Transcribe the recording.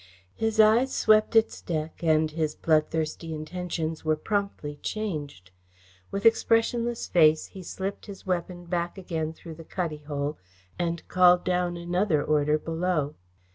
His eyes swept its deck, and his bloodthirsty intentions were promptly changed. With expressionless face he slipped his weapon back again through the cuddy hole and called down another order below.